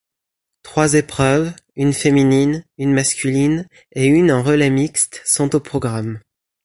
Trois épreuves, une féminine, une masculine et une en relais mixte sont au programme.